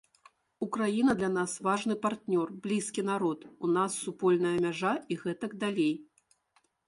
Украіна для нас важны партнёр, блізкі народ, у нас супольная мяжа і гэтак далей.